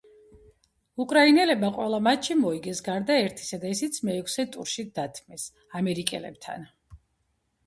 უკრაინელებმა ყველა მატჩი მოიგეს გარდა ერთისა და ისიც მეექვსე ტურში დათმეს ამერიკელებთან.